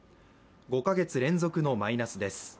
５か月連続のマイナスです。